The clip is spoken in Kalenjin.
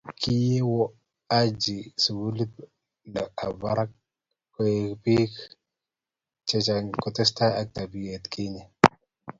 Kiyewo aji sukulitab barak kuger biik cachee kotesetai ak tabiait kinye.